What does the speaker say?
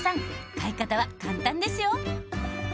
買い方は簡単ですよ。